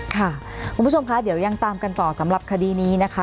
คุณผู้ชมค่ะเดี๋ยวยังตามกันต่อสำหรับคดีนี้นะคะ